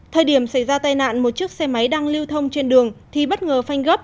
thời điểm xảy ra tai nạn một chiếc xe máy đang lưu thông trên đường thì bất ngờ phanh gấp